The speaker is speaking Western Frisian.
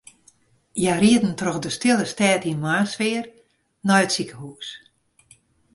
Hja rieden troch de stille stêd yn moarnssfear nei it sikehús.